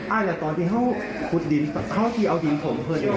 อ่าแต่ตอนที่เขาครึ่งดินเขาเอาดินโถมอยู่